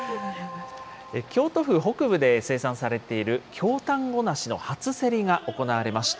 京都府北部で生産されている京たんご梨の初競りが行われました。